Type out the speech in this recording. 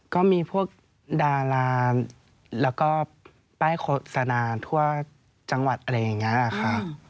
ก็มีพวกดาราแล้วก็ป้ายโฆษณาทั่วจังหวัดอะไรอย่างนี้ค่ะ